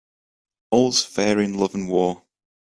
All's fair in love and war.